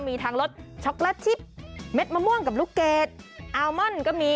มีทั้งรสช็อกโลตชิปเม็ดมะม่วงกับลูกเกดอัลมอนก็มี